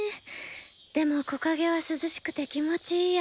でも木陰は涼しくて気持ちいいや。